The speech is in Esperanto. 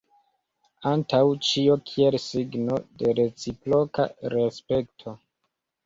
Antaŭ ĉio kiel signo de reciproka respekto.